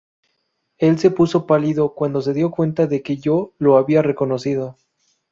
Él se puso pálido cuando se dio cuenta de que yo lo había reconocido.